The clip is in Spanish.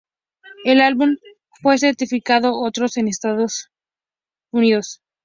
El álbum fue certificado oro en Estados Unidos.